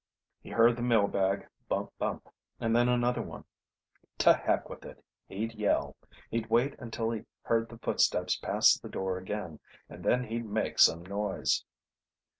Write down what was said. He heard the mail bag bump bump, and then another one. To heck with it; he'd yell. He'd wait until he heard the footsteps pass the door again and then he'd make some noise.